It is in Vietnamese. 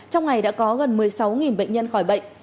trong ngày đã có gần một mươi sáu bệnh nhân khỏi bệnh